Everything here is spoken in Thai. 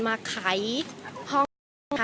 มาขายห้องค่ะ